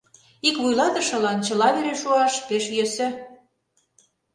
Ик вуйлатышылан чыла вере шуаш пеш йӧсӧ.